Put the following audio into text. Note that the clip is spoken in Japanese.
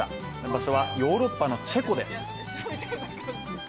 場所は、ヨーロッパのチェコです